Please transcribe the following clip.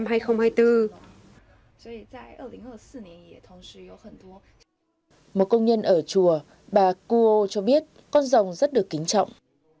một công nhân ở chùa bà kuo cho biết con rồng rất được kính trọng